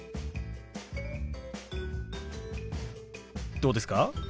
どうですか？